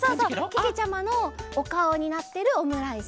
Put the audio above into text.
けけちゃまのおかおになってるオムライス。